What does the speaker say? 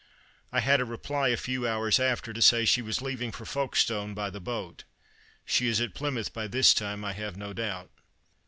I had a reply a few hours after to say she was leaving for Folkestone by the boat. She is at Plymouth by this time, I have no doubt."